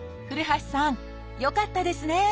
古橋さんよかったですね！